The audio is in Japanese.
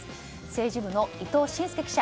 政治部の伊藤慎祐記者